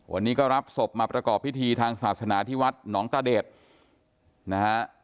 วันนี้ก็รับศพมาประกอบพิธีทางศาสนาที่วัดหนองตาเดชนะฮะ